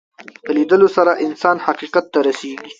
په لیدلو سره انسان حقیقت ته رسېږي